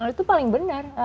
itu paling benar